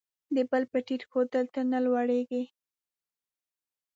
د بل په ټیټ ښودلو، ته نه لوړېږې.